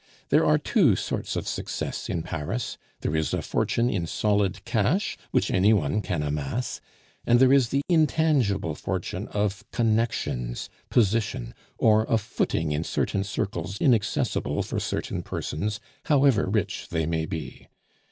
"There are two sorts of success in Paris: there is a fortune in solid cash, which any one can amass, and there is the intangible fortune of connections, position, or a footing in certain circles inaccessible for certain persons, however rich they may be.